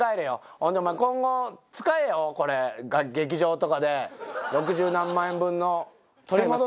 ほんでお前今後使えよこれ劇場とかで６０何万円分の取り戻せよ。